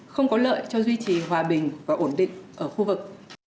không có lợi cho duy trì hòa bình và ổn định ở khu vực